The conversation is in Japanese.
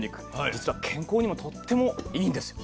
実は健康にもとってもいいんですよ。